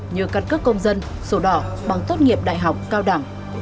như căn cước công dân sổ đỏ bằng tốt nghiệp đại học cao đẳng